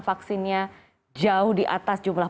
vaksinnya jauh di atas jumlah